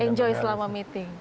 enjoy selama meeting